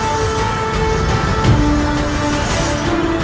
ada tambang pelatih semester lu